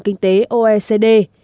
kinh tế oecd